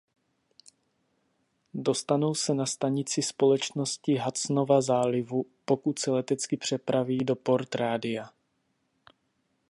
Dostanou se na stanici Společnosti Hudsonova zálivu odkud se letecky přepraví do Port Radia.